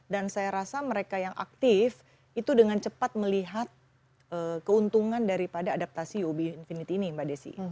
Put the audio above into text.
dan saya rasa mereka yang aktif itu dengan cepat melihat keuntungan daripada adaptasi uob infinity ini mbak desi